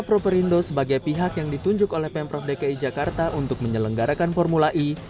properindo sebagai pihak yang ditunjuk oleh pemprov dki jakarta untuk menyelenggarakan formula e